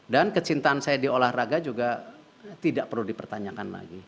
dan kecintaan saya di olahraga juga tidak perlu dipertanyakan lagi